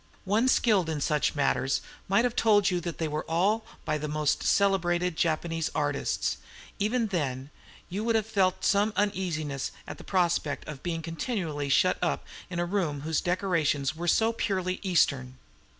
One skilled in such matters might have told you that they were all by the most celebrated Japanese artists. Even then you would have felt some uneasiness at the prospect of being continually shut up in a room whose decorations were so purely Eastern.